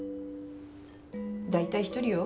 大体一人よ。